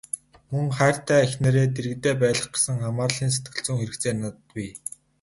Мөн хайртай эхнэрээ дэргэдээ байлгах гэсэн хамаарлын сэтгэлзүйн хэрэгцээ надад бий.